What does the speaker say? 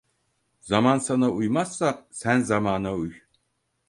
Zaman sana uymazsa sen zamana uy.